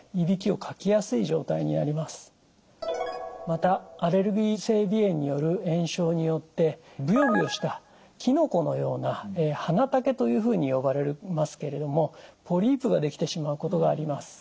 またアレルギー性鼻炎による炎症によってブヨブヨしたきのこのような鼻茸というふうに呼ばれますけれどもポリープが出来てしまうことがあります。